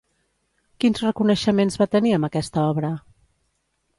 Quins reconeixements va tenir amb aquesta obra?